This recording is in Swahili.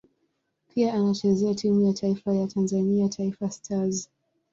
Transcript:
Pia anachezea timu ya taifa ya Tanzania Taifa Stars.